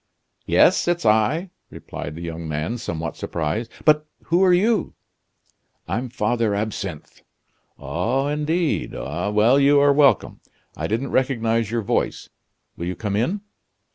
"Yes, it's I!" replied the young man, somewhat surprised; "but who are you?" "I'm Father Absinthe." "Oh! indeed! Well, you are welcome! I didn't recognize your voice will you come in?"